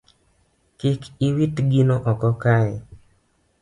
Kik iwit gino oko kae